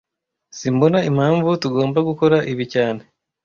Simbona impamvu tugomba gukora ibi cyane